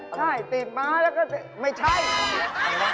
ใช่ติดม้าแล้วก็ไม่ใช่